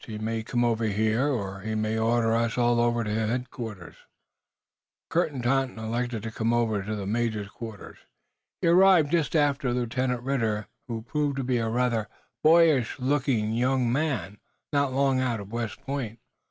He may come over here, or he may order us all over to headquarters." Colonel Totten elected to come over to the major's quarters. He arrived just after Lieutenant Ridder, who proved to be a rather boyish looking young man, not long out of West Point.